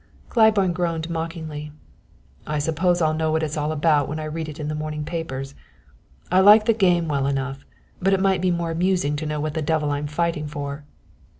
Claiborne groaned mockingly. "I suppose I'll know what it's all about when I read it in the morning papers. I like the game well enough, but it might be more amusing to know what the devil I'm fighting for."